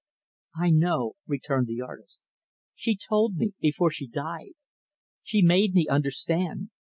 "I know," returned the artist. "She told me before she died. She made me understand.